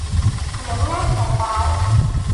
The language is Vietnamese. Nhấm nháp trái táo